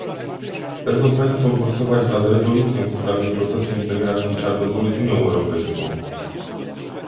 Będą Państwo głosować nad rezolucją w sprawie procesu integracji Czarnogóry z Unią Europejską